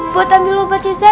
buat ambil obatnya zaky